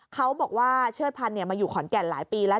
เขาบอกว่าเชิดพันธ์มาอยู่ขอนแก่นหลายปีแล้ว